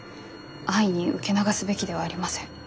安易に受け流すべきではありません。